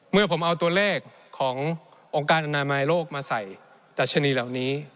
เมื่อผมเอาตัวเลขขององค์การอนามัยโลกมาใส่ดัชนีเหล่านี้